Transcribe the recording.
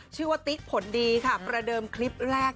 ชื่อว่าติ๊กผลดีค่ะประเดิมคลิปแรก